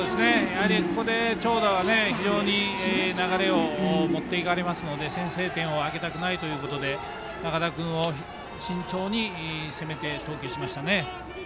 ここで長打は非常に流れを持っていかれますので先制点をあげたくないということで仲田君を慎重に攻めて投球しましたね。